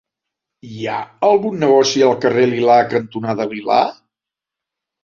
Hi ha algun negoci al carrer Lilà cantonada Lilà?